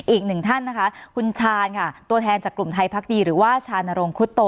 อีกหนึ่งท่านนะคะคุณชาญค่ะตัวแทนจากกลุ่มไทยพักดีหรือว่าชานรงครุฑโต